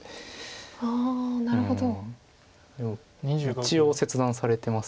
一応切断されてます。